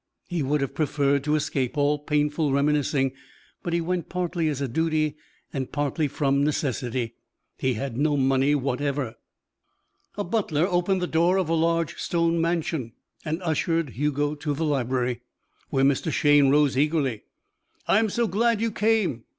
He would have preferred to escape all painful reminiscing, but he went partly as a duty and partly from necessity: he had no money whatever. A butler opened the door of a large stone mansion and ushered Hugo to the library, where Mr. Shayne rose eagerly. "I'm so glad you came.